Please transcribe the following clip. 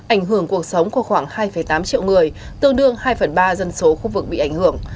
ảnh hưởng cuộc sống của khoảng hai tám triệu người tương đương hai phần ba dân số khu vực bị ảnh hưởng